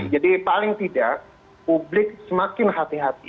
jadi paling tidak publik semakin hati hati